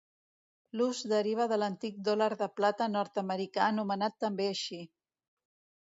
L'ús deriva de l'antic dòlar de plata nord-americà anomenat també així.